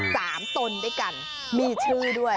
ตนด้วยกันมีชื่อด้วย